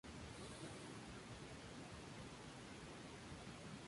Todos ellos miembros de una corriente artística conocida bajo el nombre de Simbolismo.